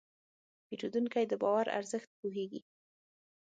پیرودونکی د باور ارزښت پوهېږي.